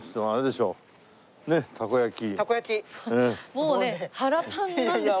もうね腹パンなんですけど。